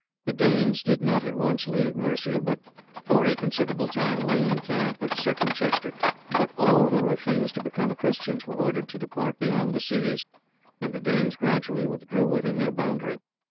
The Danes did not at once leave Mercia, but for a considerable time lay in camp at Cirencester; but all who refused to become Christians were ordered to depart beyond the seas, and the Danes gradually withdrew within their boundary.